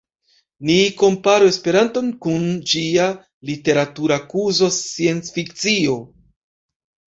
Ni komparu Esperanton kun ĝia literatura kuzo sciencfikcio.